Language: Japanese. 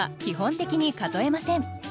基本的に数えません。